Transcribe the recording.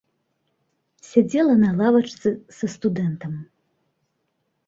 Сядзела на лавачцы са студэнтам.